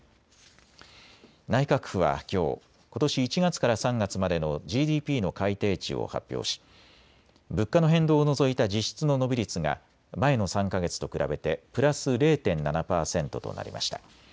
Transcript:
内閣府はきょう、ことし１月から３月までのＧＤＰの改定値を発表し物価の変動を除いた実質の伸び率が前の３か月と比べてプラス０．７％となりました。